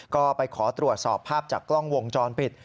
ก็ไปขอตรวจสอบภาพจากกล้องวงจรปิด